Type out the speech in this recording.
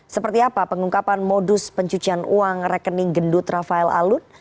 seperti apa pengungkapan modus pencucian uang rekening gendut rafael alun